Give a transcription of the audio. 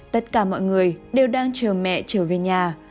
tất cả mọi người đều đang chờ mẹ trở về nhà